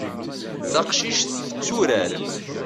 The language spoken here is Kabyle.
Taqcic tetturar.